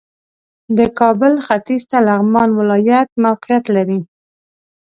د کابل ختیځ ته لغمان ولایت موقعیت لري